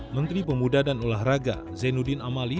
menteri pemuda dan olahraga zainuddin amali